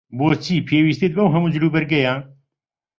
بۆچی پێویستت بەو هەموو جلوبەرگەیە؟